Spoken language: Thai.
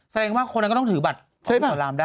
แสดงว่าคนนั้นก็ต้องถือบัตรช่วยหมอลำได้